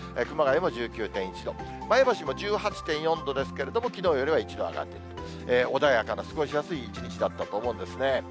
熊谷も１９．１度、前橋も１８．４度ですけれども、きのうよりは１度上がって、穏やかな過ごしやすい一日だったと思うんですね。